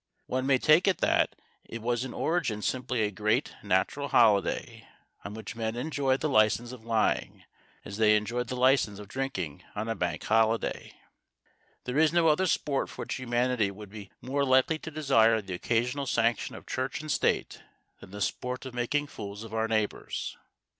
One may take it that it was in origin simply a great natural holiday, on which men enjoyed the license of lying as they enjoy the license of drinking on a Bank Holiday. There is no other sport for which humanity would be more likely to desire the occasional sanction of Church and State than the sport of making fools of our neighbours.